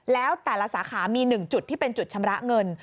แล้วแต่ละสาขามี๑จุดที่เป็นจุดชำระเงิน